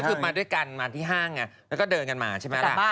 คือมาด้วยกันมาที่ห้างไงแล้วก็เดินกันมาใช่ไหมล่ะ